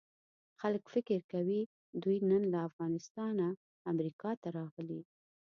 خلک فکر کوي دوی نن له افغانستانه امریکې ته راغلي.